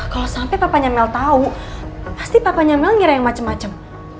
kalau sampai papanya mel tau pasti papanya mel ngira yang macem macem